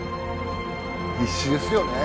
必死ですよね。